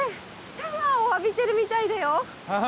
シャワーを浴びてるみたいだよ。